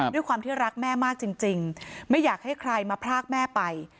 ด้วยความที่รักแม่มากจริงไม่อยากให้ใครมาพรากแม่ไป